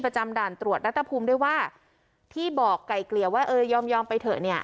ด่านตรวจรัฐภูมิด้วยว่าที่บอกไก่เกลี่ยว่าเออยอมยอมไปเถอะเนี่ย